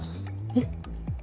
えっ。